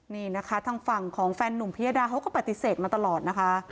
นี่นะคะทางฝั่งของแฟนนุ่มพิยดาเขาก็ปฏิเสธมาตลอดนะคะ